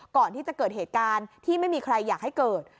ก่อนที่จะเกิดเหตุการณ์ที่ไม่มีใครอยากให้เกิด